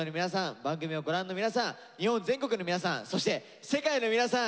番組をご覧の皆さん日本全国の皆さんそして世界の皆さん